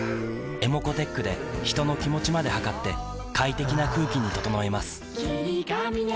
ｅｍｏｃｏーｔｅｃｈで人の気持ちまで測って快適な空気に整えます